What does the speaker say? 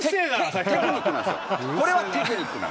これはテクニックなんです。